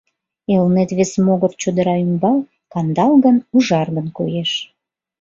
Элнет вес могыр чодыра ӱмбал кандалгын-ужаргын коеш.